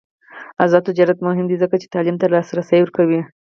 آزاد تجارت مهم دی ځکه چې تعلیم ته لاسرسی ورکوي.